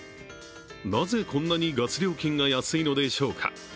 なぜこんなにガス料金が安いのでしょうか。